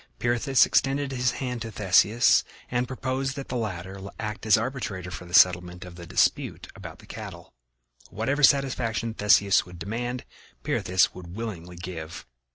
Pirithous extended his hand to Theseus and proposed that the latter act as arbitrator for the settlement of the dispute about the cattle: whatever satisfaction Theseus would demand Pirithous would willingly give.